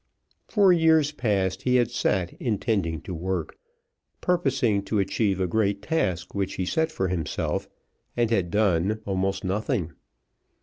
For years past he had sat intending to work, purposing to achieve a great task which he set for himself, and had done almost nothing.